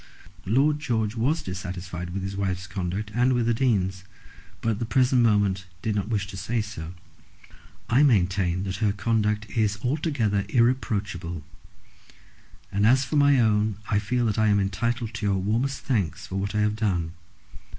Lord George was dissatisfied with his wife's conduct and with the Dean's, but at the present moment did not wish to say so. "I maintain that her conduct is altogether irreproachable; and as for my own, I feel that I am entitled to your warmest thanks for what I have done.